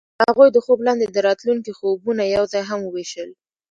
هغوی د خوب لاندې د راتلونکي خوبونه یوځای هم وویشل.